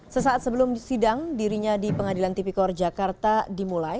sesaat sebelum sidang dirinya di pengadilan tipikor jakarta dimulai